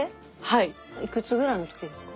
いくつぐらいの時ですか？